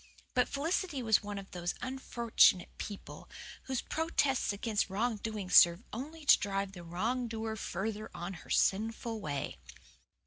But Felicity was one of those unfortunate people whose protests against wrong doing serve only to drive the wrong doer further on her sinful way.